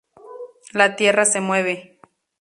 La Tierra se mueve.